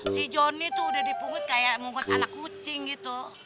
si johnny tuh udah dipungut kayak memungut anak kucing gitu